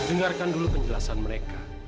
dengarkan dulu penjelasan mereka